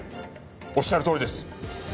おっしゃるとおりです。